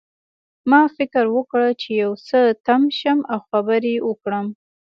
ما فکر وکړ چې یو څه تم شم او خبرې وکړم